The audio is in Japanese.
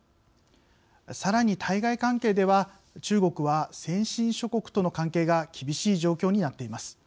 さらに対外関係では中国は、先進諸国との関係が厳しい状況になっています。